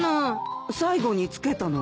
最後につけたのは？